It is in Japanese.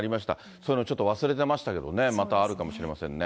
そういうのちょっと忘れてましたけどね、またあるかもしれませんね。